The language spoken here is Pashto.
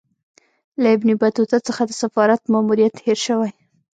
له ابن بطوطه څخه د سفارت ماموریت هېر سوی.